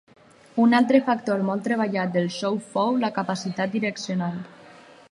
Un altre factor molt treballat del so fou la capacitat direccional.